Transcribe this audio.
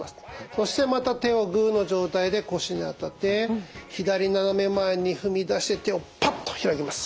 そしてまた手をグーの状態で腰に当てて左斜め前に踏み出して手をパッと開きます。